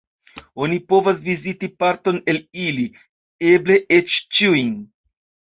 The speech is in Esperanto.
Oni povas viziti parton el ili, eble eĉ ĉiujn.